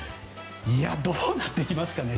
どうなってきますかね。